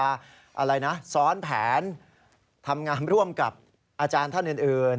อะไรนะซ้อนแผนทำงานร่วมกับอาจารย์ท่านอื่น